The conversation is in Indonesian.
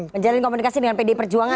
menjalin komunikasi dengan pdi perjuangan